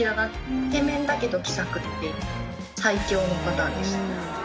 イケメンだけど気さくっていう、最強のパターンでした。